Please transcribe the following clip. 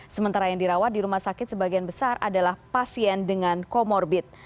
sementara yang dirawat di rumah sakit sebagian besar adalah pasien dengan comorbid